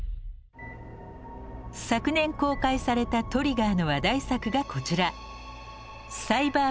昨年公開されたＴＲＩＧＧＥＲの話題作がこちら。